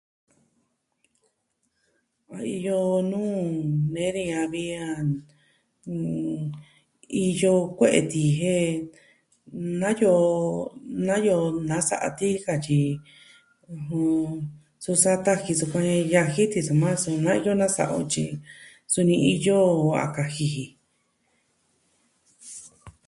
A iyo nuu nee ni ya'a vi a iyo kue'e tii jen na iyo, na iyo na sa'a tii ka tyi su sa taji sukuan yaji ti soma su na iyo nasa'a o tyi suni iyo jo a kaji ji.